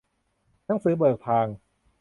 หนังสือเบิกทาง